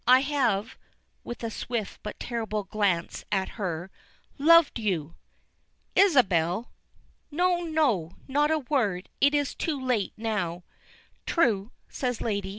I have," with a swift, but terrible glance at her, "loved you!" "Isabel!" "No, no! Not a word. It is too late now." "True," says Lady.